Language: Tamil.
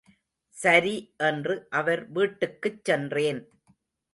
சரி என்று அவர் வீட்டுக்குச் சென்றேன்.